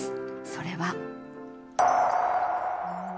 それは。